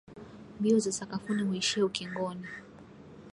Mbio za sakafuni huishia ukingoni.